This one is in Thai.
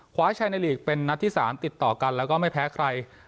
ให้ชายในลีกเป็นนัดที่๓ติดต่อกันแล้วก็ไม่แพ้ใคร